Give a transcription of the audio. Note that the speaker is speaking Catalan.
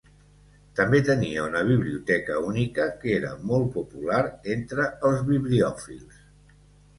També tenia una biblioteca única que era molt popular entre els bibliòfils.